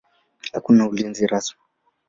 Hakuna ulinzi rasmi.